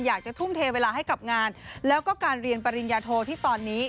อยากจะทุ่มเทเวลาให้กับงานแล้วก็การเรียนปริญญาโทที่ตอนนี้